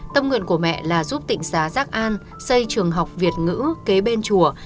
tâm nguyện của mẹ là giúp tỉnh xá giác an xây trường học việt ngữ kế bên chùa